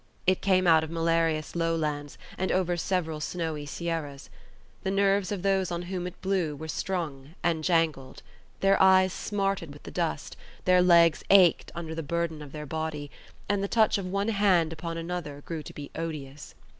It came out of malarious lowlands, and over several snowy sierras. The nerves of those on whom it blew were strung and jangled; their eyes smarted with the dust; their legs ached under the burthen of their body; and the touch of one hand upon another grew to be odious.